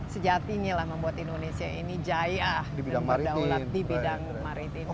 sejatinya lah membuat indonesia ini jaya dan berdaulat di bidang maritim